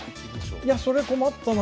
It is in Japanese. いやそれ困ったな。